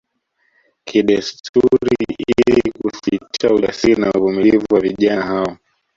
Kidesturi ili kuthibitisha ujasiri na uvumilivu wa vijana wao